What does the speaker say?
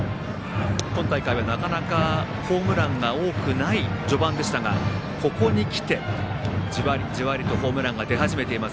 今大会は、なかなかホームランが多くない序盤でしたがここにきて、じわりじわりとホームランが出始めています。